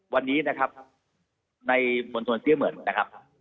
วันนี้นะครับในมวลชนเสียเหมือนนะครับ